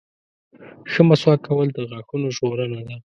• ښه مسواک کول د غاښونو ژغورنه ده.